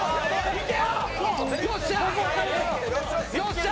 いけ！